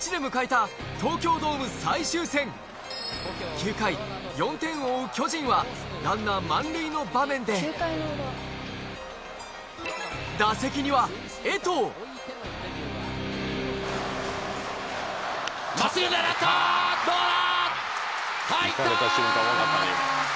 ９回４点を追う巨人はランナー満塁の場面で打席には真っすぐに上がったどうだ？